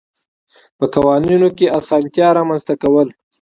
په قوانینو کې اسانتیات رامنځته کول.